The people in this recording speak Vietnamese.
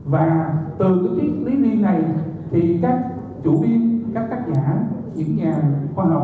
và từ cái chiếc lý viên này thì các chủ viên các tác giả những nhà khoa học